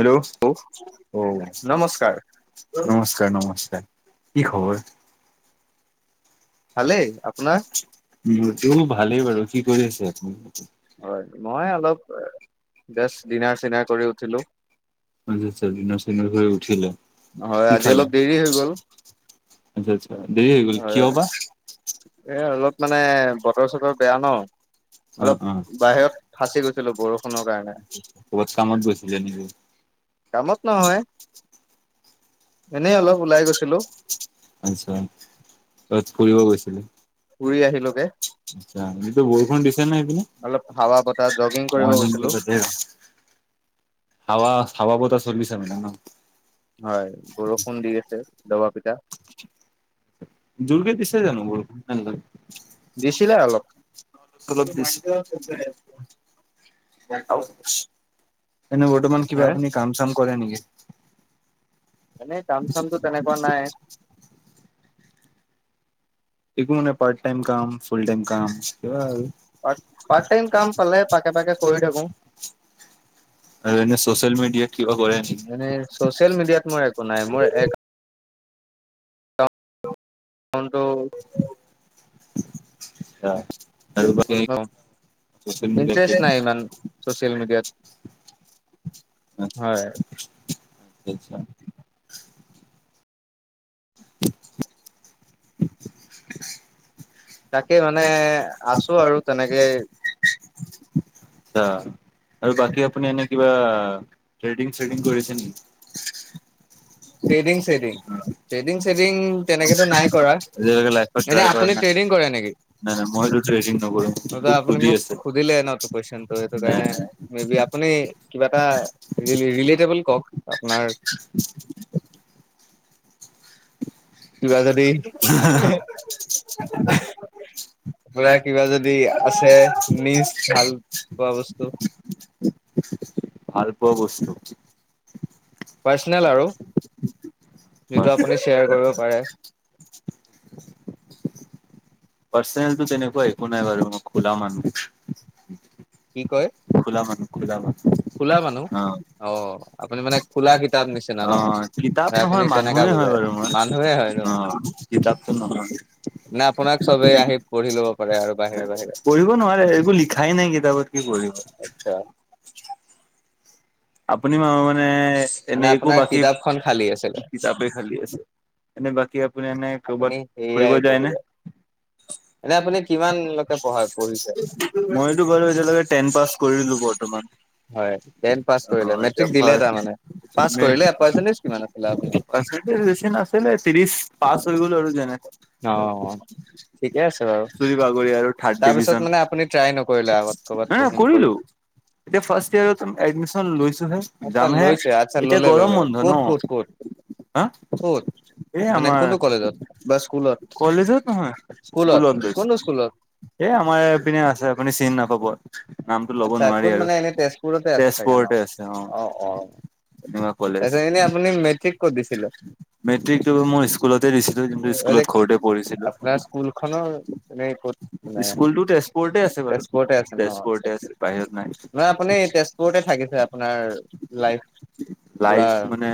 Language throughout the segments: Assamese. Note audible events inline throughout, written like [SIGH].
হেল্ল, অ নমস্কাৰ নমস্কাৰ নমস্কাৰ কি খবৰ ভালেই তোমাৰ মোৰতো ভালেই বাৰু কি কৰি আছে আপোনি হয় মই অলপ বেছ ডিনাৰ চিনাৰ কৰি উঠিলো আচ্ছা আচ্ছা দিনাৰ চিনাৰ হৈ উঠিলে হয় কি আজি খালে অলপ দেৰি হৈ গ'ল আচ্ছা আচ্ছা দেৰি হৈ গ'ল হয় কিয় বা এ অলপ মানে বতৰ চতৰ বেয়া ন অ অলপ অ বাহিৰত ফাঁচি গৈছিলো বৰষুণৰ কাৰণে কবাত কামত গৈছিলে নেকি কামত নহয় এনেই অলপ ওলাই গৈছিলো আচ্ছা তাত ফুৰিব গৈছিলে ঘুৰি আহিলোগে আচ্ছা দিনটো বৰষুণ দিছে নে সেইপিনে অলপ অ হাৱা বতাহ জগিং কৰিব গৈছিলো মৰ্জুনহঁতে তাতে আছে হাৱা হাৱা বতাহ চলিছে মানে ন হয় বৰষুণ দি আছে দবা পিটা জোৰকে দিছে জানো বৰষুণ দিছিলে অলপ তেনেকৈ [UNINTELLIGIBLE] এনে বৰ্তমান কিবা হে আপুনি কাম চাম কৰে নেকি এনেই কাম চামতো তেনেকোৱা নাই একো নাই পাৰ্ট টাইম কাম ফুল টাইম কাম কিবা আৰু পাৰ্ট টাইম কাম পালে চবে পাকে ভাগে পাকে ভাগে কৰি কৰিল থাকো আৰু আৰু এনে ছ'চিয়েল মিডিয়াত কিবা কৰে নেকি এনে চচিয়েল মিডিয়াত মোৰ একো নাই মোৰ এক ফনটো ইয়া অ মিডিয়াত ইন্ট্ৰেষ্ট নাই ইমান ছচিয়েল মিডিয়াত অ হয় ইচ্ছা তাকে মানে আছো আৰু তেনেকে আচ্ছা আৰু বাকী আপুনি এনে কিবা ট্ৰেডিং চেডিং কৰিছে নেকি ট্ৰেডিং চেডিং ট্ৰেডিং চেডিং তেনেকেতো নাই কৰা এতিয়ালৈকে লাইফত এনে ট্ৰাই কৰা আপুনি নাই? ট্ৰেডিং কৰে নেকি নাই নাই মইতো ট্ৰেডিং নকৰো তাপা মোক আপুনি সুধি মোক আছে সুধিলে ন কুৱেশনটো সেইটো নাই কাৰণে নাই মে বি আপুনি কিবা এটা ৰিলেটবল কওক আপোনাৰ উ কিবা যদি এহে আপোনাৰ কিবা যদি আছে নিজ ভাল পোৱা বস্তু ভালপোৱা বস্তু পাৰ্চনেল আৰু যিটো আপুনি শ্বেয়াৰ কৰিব পাৰে পাৰ্চনেলটো তেনেকোৱা একো নাই বাৰু মই খুলা মন কি কয় খোলা মন খোলা মন খোলা মানুহ অ আপুনি মানে খোলা কিতাপ নিচিনা ন অ'! কিতাপ আপুনি নহয়, কেনেকা মানুহে হয় বুজাই বাৰু মই। মানুহে হয় ন অ'! কিতাপটো নহয়। নে আপোনাক চবেই আহি পঢ়ি ল'ব পাৰে আৰু বাহিৰে বাহিৰে [UNINTELLIGIBLE] পঢ়িব নোৱাৰে, একো লিখাই নাই কিতাপত। কি কৰি? [UNINTELLIGIBLE] আপুনি [UNINTELLIGIBLE] মানে, মানে এনেই একো আপোনাৰ বাকী, কিতাপখন খালী আছিলে কিতাপে খালি আছে। এনে, বাকী আপুনি এনেই আপুনি কৰ'বাত ফুৰিব সেয়াই যায়নে? পঢ়িলে এনে আপুনি কিমানলৈকে পঢ়া পঢ়িছে মইতো, গলোঁ এতিয়ালৈকে টেন পাছ কৰিলোঁ বৰ্তমান। হয়, টেন পাছ কৰিলে। মেট্ৰিক দিলে তাৰমানে? পাছ কৰিলে পাৰ্চেন্টেজ কিমান আছিলে আপোনাৰ পাৰ্চেণ্টিছ বেছি নাছিলে, ত্ৰিশ। পাছ হৈ গ'লো আৰু যেনে-তেনে। অ' অ'! ঠিকে আছে বাৰু। চুৰি বাগৰি আৰু থাৰ্ড ডিভিজন তাৰপিছত মানে, আপুনি ট্ৰাই নকৰিলে, আগত কৰ'বাত নাই নাই পঢ়িম, কৰিলো কৰিম? এতিয়া, ফাৰ্ষ্ট ইয়েৰত এডমিছন লৈছোঁহে। আচ্ছা! লৈছে, আচ্ছা, ল'লে-ল'লে, ক'ত -ক'ত- ক'ত-ক'ত? হা ক'ত? এই মানে, আমাৰ কোনটো কলেজত বা স্কুলত? কলেজত নহয় স্কুলত, গৈছো। কোনটো স্কুলত? এ, আমাৰ এইপিনে আছে, আপুনি চিনি নাপাব। নামটো? ল'ব আচ্ছা! নোৱাৰি ক'ত আৰু মানে, এনেই তেজপুৰতে আছে, চাগে ন'। তেজপুৰতে আছে অ' অ'! তেনেকুৱা কলেজ এনেই আপুনি মেট্ৰিক ক'ত দিছিলে? মেট্ৰিকটো মই স্কুলতে দিছিলো যোনটো স্কুলত ঘৰতে পঢ়িছিলো। আপোনাৰ স্কুলখনৰ, এনে ক'ত মানে? স্কুলতো ক'তে আছিল ন'? ঘৰতে আছে, বাহিৰত? নাই নহয় আপুনি, তেজপুৰতে থাকিছে, আপোনাৰ লাইফ? পুৰা লাইফ মানে,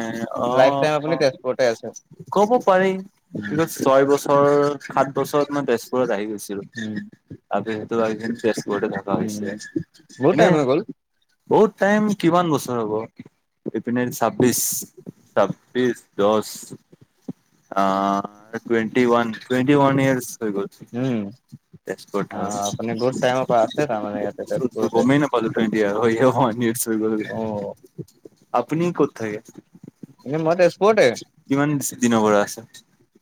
লাইফ অ'! টাইম আপুনি তেজপুৰতে আছে ক'ব পাৰি! উম কিন্তু, ছয় বছৰ-সাত বছৰত মই, তেজপুৰত আহি গৈছিলোঁ। আগে সেইটো আগে, তেজপুৰতে থকা হৈছিলে। বহুত টাইম হৈ গ'ল [UNINTELLIGIBLE] টাইম কিমান বছৰ হ'ব! এইপিনে, ছাব্বিশ ছাব্বিছ, দহ আঁ twenty one, twenty one years হৈ গ'ল। উম তেজপুৰত অ আপুনি বহুত টাইমৰ পৰা আছে তাৰমানে ইয়াতে থাকা। তেজপুৰতে গমেই নাপালোঁ। টুৱেন্টি হয়, এ, নহয় অ [UNINTELLIGIBLE] আপুনি ক'ত থাকে? এ, মই তেজপুৰতে। কিমান দিনৰ পৰা আছা?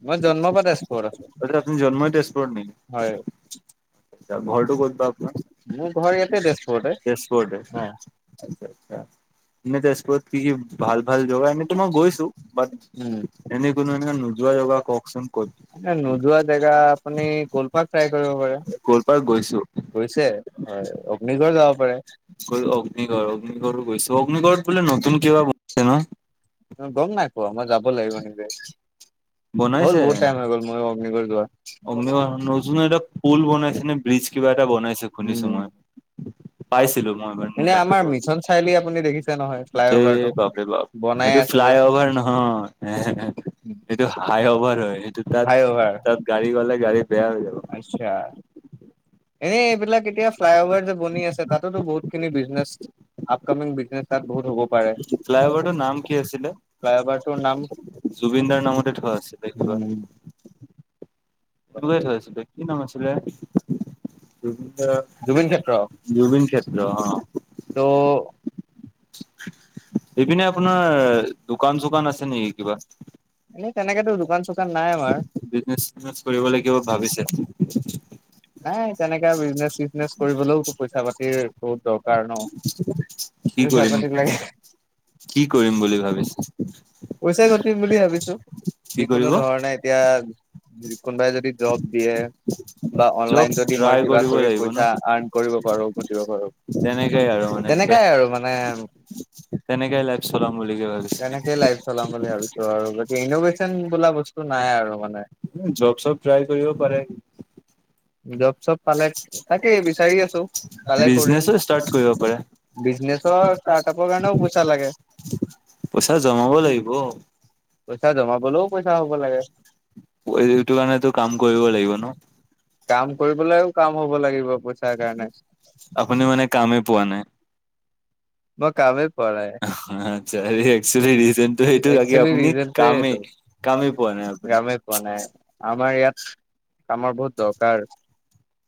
মই জন্ম পৰা তেজপুৰত আছোঁ। মানে, আপুনি জন্মই তেজপুৰত নেকি? হয়! ঘৰটো ক'ত বা আপোনাৰ? মোৰ ঘৰ ইয়াতে, তেজপুৰতে। তেজপুৰতে অ'! আচ্ছা, আচ্ছা। এনে, তেজপুৰত কি, ভাল-ভাল [UNINTELLIGIBLE] এনেতো মই গৈছোঁ। বাত এনে, উম কোনোবা এদিনাখন নোযোৱা জেগা কওঁকচোন, ক'ত? এ, নোযোৱা জেগা মানে, আপুনি গোৱালপাৰ ট্ৰাই কৰিব পাৰে। গোৱালপাৰ গৈছোঁ। গৈছে, হয়! অগ্নিগড় যাব পাৰে। গৈ অগ্নিগড় অগ্নিগড়ো গৈছো অগ্নিগড়ত বোলে নতুন কিবা গৈ- গম নাই পোৱা মই যাব লাগিব কিন্তু- বনাইছে অগনিবা নতুন এটা পুল বনাইছে নে ব্ৰিজ- কিবা এটা বনাইছো শুনিছো উম মই। পাইছিলো মই এনে ধুনীয়াকে আমাৰ বহুত মিছন চাৰিআলি আপুনি দেখিছে নহয় ফ্লাই এ অভাৰটো বাপেৰে বাপ। বনাই সেইটো আছে যে ফ্লাইঅভাৰ নহয়। সেইটো হাই অভাৰ হয় সেইটো ফ্লাই তাত তাত গাড়ী গ'লে গাড়ী বেয়া হৈ যাব। আইচ্ছা। এই এইবিলাক এতিয়া ফ্লাইঅভাৰ যে বনি আছে তাতোতো বহুত খিনি বিজনেছ- আপকামিং বিজনেছ তাত বহুত হ'ব পাৰে। ফ্লাই অভাৰটোৰ নাম কি ফ্লাইঅবাৰটোৰ নাম- জুবিনদাৰ নামতে থোৱা আছিলে কিবা। উম সেইটোকে থৈ আছিলে কি নাম আছিলে? জুবিনদা জুবিন ক্ষেত্ৰ জুবিন ক্ষেত্ৰ অঁ'। ত' এইপিনে আপোনাৰ দোকান চোকান আছে নেকি কিবা? এনেই তেনেকেতো দোকান চোকান নাই আমাৰ। বিজনেছ চিজনেছ কৰিবলে কিবা ভাবিছে। নাই তেনেকে বিজনেচ চিজনেচ কৰিবলও পইচা পাতিৰ বহুত দৰকাৰ ন। কি পৈচা কৰিম পাতি লাগে। কি কৰিম বুলি ভাবিছে। [UNINTELLIGIBLE] পইচা ঘটিম বুলি ভাবিছো কি যিকোনো কৰিব ধৰণে এতিয়া - কোন বাই যদি দব দিয়ে- বা জব অনলাইন যদি মই ট্ৰাই কিবা কৰিব কৰি লাগিব ন পইচা আৰ্ণ কৰিব পাৰো ঘতিব তেনেকাই পাৰো- তেনেকাই আৰু মানে- তেনেকেই লেপ- চলায় মুলিগে। তেনেকেই লাইফ চলাম বুলি ভাবিছো আৰু গতি ইনভেশচন বোলা বস্তুটো নাই আৰু মানে। উম' জব চব ট্ৰাই কৰিব পাৰে। জব চব পালে তাকেই বিচাৰি আছো পালে কৰিম। বিজনেচো ষ্টাৰ্ট কৰিব পাৰে বিজনেছৰ ষ্টাৰ্টআপৰ কাৰণেও পইছা লাগে। পইচা জমাব লাগিব। পইচা জমাবলেও পইচা হ'ব লাগে। পৈ এইটো কাৰণেটো কাম কৰিবই লাগিব ন। কাম কৰিবলৈও কাম হ'ব লাগিব পইচাৰ কাৰণে। আপুনি মানে কামেই পোৱা নাই। মই কামেই পোৱা নাই অঁহ আৎছা হেৰি একছোলি ৰিজনটো সেইটো লাগে একচুৱেলি আপুনি ৰিজনটোৱে সেইটো কামেই- কামেই পোৱা নাই আপুনি। কামেই পোৱা নাই আমাৰ ইয়াত কামৰ বহুত দৰকাৰ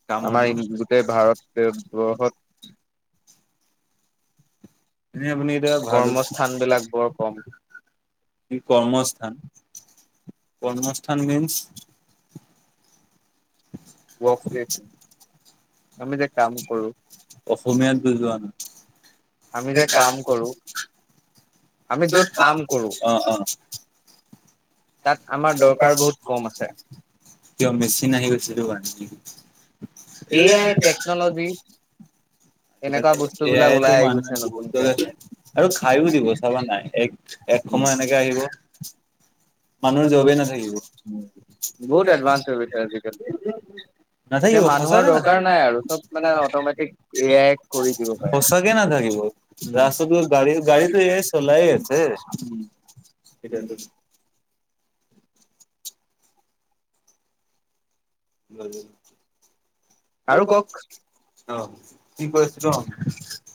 কামৰ ন আমাৰ- তেই ভাৰতবৰ্ষত। এনেই আপুনি এতিয়া ভালো কৰ্মস্থান বিলাক বৰ কম দি কৰ্মস্থান- কৰ্মস্থান মিনচ- ৱক ষ্টেট। আমি যে কাম কৰো, অসমীয়াত বুজোৱা নাই আমি যে কাম কৰো- আমি যত কাম কৰো- অ অ তাত আমাৰ দৰকাৰ বহুত কম আছে কিয় মেচিন আহি গৈছে সেইটো কাৰণে? কি এ আই টেকনলজি [UNINTELLIGIBLE] এনেকুৱা বস্তু এ বিলাক আইটো ওলাই আহি মান গৈছে নতুনকে বহুতৰে আৰু খাইও দিব চাবা নাই এক একসময় এনেকে আহিব। [INAUDIBLE] মানুহ জবেই নাথাকিব। বহুত এডভান্স হৈ গৈছে আজিকালি এতিয়া নাথাকিব, মানুহৰ সঁচাকে দৰকাৰ নাই নাথাকিব। আৰু চব মানে অটমেটিক এ আই কৰি দিব পাৰে। সঁচাকে নাথাকিব, উম, ৰাস্তাটো গাড়ী গাড়ীতো এতিয়াই চলাই আছে। সেইটোৱে বাগ আৰু কওক আহ কি কৈছ নে?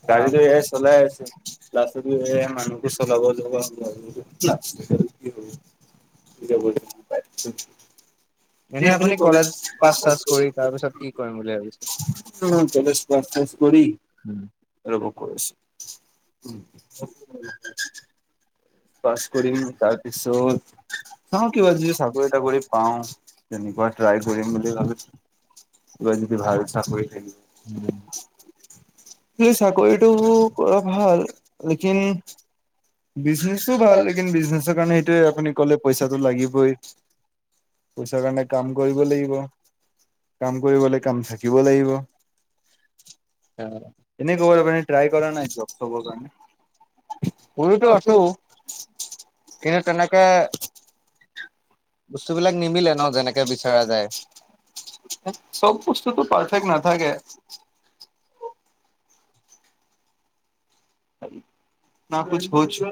গাড়ী আহ লৈ চলাই আছে। ল্লাছত মান চলাবজ কি [UNINTELLIGIBLE] যাবই এনেই আপুনি কলেজ পাছ চাচ কৰি তাৰপিছত কি কৰিম বুলি ভাবিছে? কলেজ পাছ চাছ কৰি উম ৰব কৈ আছো। উ পাছ কৰিম তাৰপিছত, চাও কিবা কিবি চাকৰি তাকৰি পাওঁ তেনেকুৱা ট্ৰাই কৰিম বুলি ভাবিছো, কিবা যদি ভাল চাকৰি থাকে। উম চাকৰিটো কৰা ভাল লকিন, বিজনেচো ভাল লেকিন বিজনেছৰ কাৰণে সেইটোৱে, আপুনি ক'লে পইচাটো লাগিবই। পইচাৰ কাৰণে কাম কৰিব লাগিব, কাম কৰিবলৈ কাম থাকিব লাগিব। আহ এনে খবৰ আ ্ৰাই কৰা নাই জব খবৰ কাৰ [UNINTELLIGIBLE] কৰিটো আছো, কিন্তু তেনেকে বস্তু বিলাক নিমিলে ন, যেনেকে বিচৰা যায়। চব বস্তুটো পাৰফেক্ নাথাকে। ন কছ পচো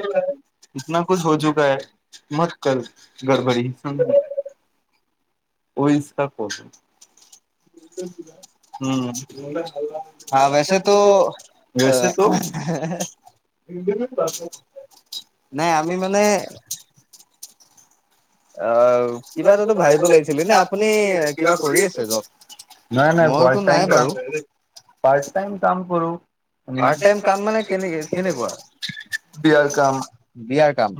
ইতনা কচ হৈ চুকা হ মত ক গডব়ৰী সম ইচা কৰ [UNINTELLIGIBLE] হা ওচেটো ইটি প নাই আমি মানে অ তিব কিবা এটাতো ভাবিব ভাহলৈ লাইছিল লাগিছিলে নে আপুনি আজি কিবা ধৰি কৰি আছে জব? [UNINTELLIGIBLE] নাই নাই মইতো পাৰ্ট টাইম নাই কাম, বাৰু পাৰ্ট টাইম কাম কৰো। পাৰ্ট টাইম কাম মানে কেনে কেনেকুৱা বিয়াৰ কাম। বিয়াৰ কাম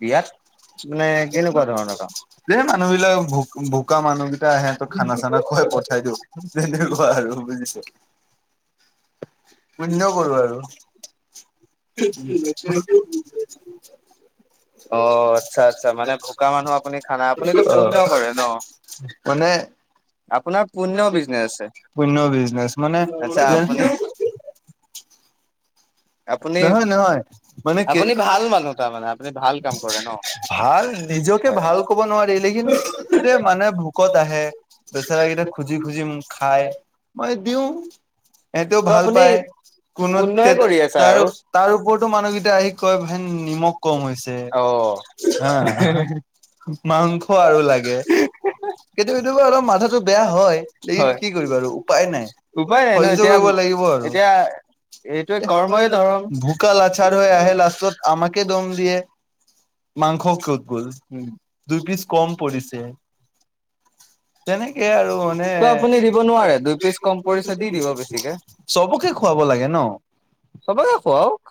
বিয়াত মানে কেনেকুৱা ধৰণৰ কাম? যে মানুহ বিলাক ভ ভোকা মানুহকেইটা আহে সিহঁতক খানা চানা খুৱাই পঠাই দিওঁ। তেনেকুৱা আৰু বুজিছ? পুণ্য কৰো আৰু। অ আচ্ছা আচ্ছা মানে ভোকা মানুহ আপুনি খানা, আপুনিতো অ পুণ্য কৰে ন? মানে আপোনাৰ পুণ্য বিজনেচ আছে, পুণ্য বিজনেচ মানে আচছা যেন আপুনি? আপুনি নহয় নহয় মানে কি আপুনি ভাল মানুহ তাৰমানে আপুনি ভাল কাম কৰে ন? [UNINTELLIGIBLE] ভাল নিজকে ভাল ক'ব নোৱাৰি লেকিন মানে ভোকত আহে। বেচৰা কেইটা খুজি খুজি খাই, মই দিওঁ। এহঁতেও ত' ভাল আপুনি পায় কোনো পুণ্যই কৰি [UNINTELLIGIBLE] আছে তাৰ আৰু তাৰ ওপৰতো মানুহকেইটাই আহি কয় হেন নিমখ কম হৈছে। অ' হা মাংস আৰু লাগে। কেতিয়াবা কেতিয়াবা অলপ মাথাতটো বেয়া হয়। লেকিন হয়। কি কৰিবা আৰু উপায় নাই। উপায় নাই ন এতিয়া কৰিব লাগিব আৰু এতিয়া এইটোৱে কৰ্মই ধৰম। ভুকা লাচাৰ হৈ আহে লাছত আমাকে দম দিয়ে। মাংস ক'ত গ'ল! দুই পিচ কম পৰিছে। তেনেকে আৰু মানে ত' আপুনি দিব নোৱাৰে দুই পিচ কম পৰিছে দি দিব বেছিকে চবকে খুৱাব লাগে ন। চবকে খোৱাওক।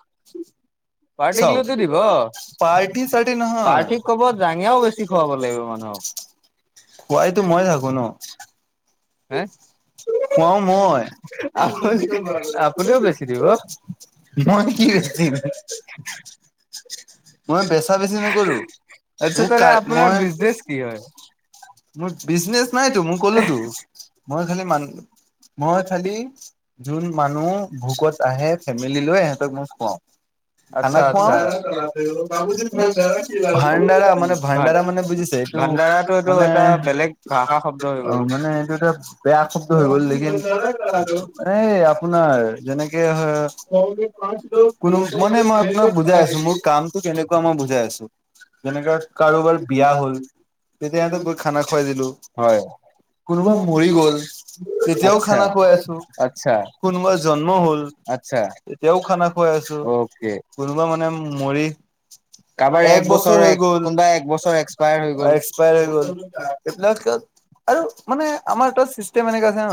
চাওক, পাৰটি চাৰটি নহয়। পাৰ্টিক ক'ব জাঙিয়াও বেছি খুৱাব লাগিব মানুহক খোৱাইটো মই থাকো ন। হে। খোৱাও মই। আপুনি আপুনিও বেছি দিব মই কি [UNINTELLIGIBLE] মই বেচা বেছি নকৰোঁ, আচ্ছা মোক তেনে আপোনাৰ মই বিজনেচ কি হয়? মোৰ বিজনেচ নাইতো, মই ক'লো তো। মই খালি মানুহ, মই খালি যোন মানুহ ভোকত আহে। ফেমিল লৈ ইহঁতক মই খুৱাও। খানা আচ্ছা খোৱাও আচ্ছা। ভাণ্ডাৰা মানে ভাণ্ডাৰা মানে বুজিছে! এইটো ভাণ্ডাৰাটো এইটো মানে এটা বেলেগ ভাষা শব্দ হৈ অ গ'ল মানে এইটো এটা বেয়া শব্দ হৈ গ'ল লেকিন এ আপোনাৰ যেনেকে হয়, কোনো মানে মই আপোনাক বুজাই আছোঁ মোৰ কামতটো কেনেকুৱা মই বুজাই আছোঁ। যেনেকা কাৰোবাৰ বিয়া হ'ল তেতিয়া সিহঁতক গৈ খানা খুৱাই দিলো। হয়। কোনোবা মৰি গ'ল তেতিয়াও আচ্ছা খানা খুৱাই আছোঁ। আচ্ছা কোনোবা জন্ম হ'ল তেতিয়াও খানা খুৱাই আছোঁ। তাকে। কোনোবা মানে মৰি কাৰোবাৰ এক বছৰ হৈ গ'ল, কোনোবা এক বছৰ হৈ গ'ল এক্সপায়াৰ হৈ গ'ল। এইবিলাক আৰু মানে আমাৰ তাত চিষ্টেম এনেকা আছে ন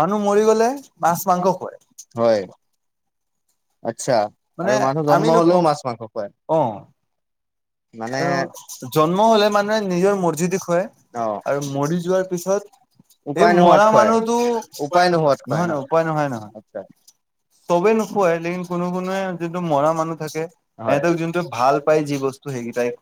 মানুহ মৰি গ'লে মাছ-মাংস খুৱাই। হয়। আচ্ছা আৰু মানুহ জন্ম হলেও মাছ মাংস খুৱায়। অৱ। আৰু জন্ম হ'লে মানে নিজৰ মৰ্জিদি খুৱাই। অ আৰু মৰি যোৱাৰ পিছত এই উপায় নোহোৱাত মৰা খুৱাই মানুহতো নহয় উপায় নোহোৱাত খুৱাই ন নহয় উপায় নহয় নহয়। আচ্ছা চবে নোখোৱাই লেকিন কোনোৱে কোনোৱে যোনটো মৰা মানুহ থাকে, হয় সিহঁতক যোনটো ভাল পায় যি বস্তু ত' সেইকেইটাই কথ